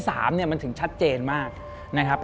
เนี่ยมันถึงชัดเจนมากนะครับ